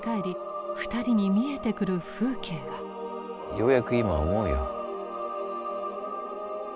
ようやく今思うよ。